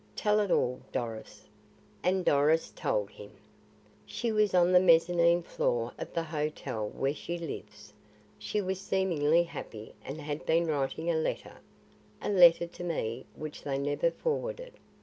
Tell it all, Doris." And Doris told him: "She was on the mezzanine floor of the hotel where she lives. She was seemingly happy and had been writing a letter a letter to me which they never forwarded.